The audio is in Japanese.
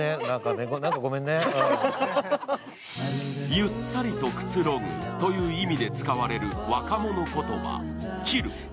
ゆったりとくつろぐという意味で使われる若者言葉、チル。